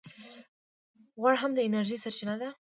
غوړ هم د انرژۍ سرچینه ده